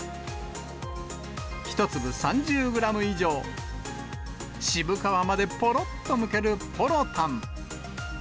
１粒３０グラム以上、渋皮までぽろっとむけるぽろたん。